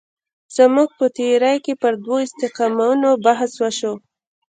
زموږ په تیورۍ کې پر دوو استقامتونو بحث وشو.